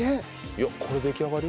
いやこれ出来上がり？